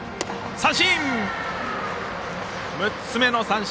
三振！